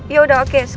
ya udah oke